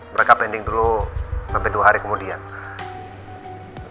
mereka pending dulu sampai dua hari kemudian